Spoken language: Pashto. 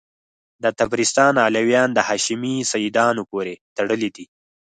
د طبرستان علویان د هاشمي سیدانو پوري تړلي دي.